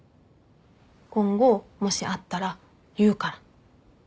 今後もしあったら言うから。